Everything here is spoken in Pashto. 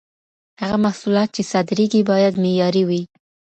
هغه محصولات چي صادرېږي، بايد معياري وي.